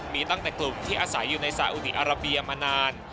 มีตั้งแต่กลุ่มที่อาศัยอยู่ในสาอุดีอาราเบียมานาน